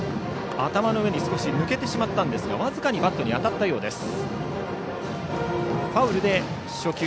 頭の上に少し抜けてしまったんですが僅かにバットに当たったようです。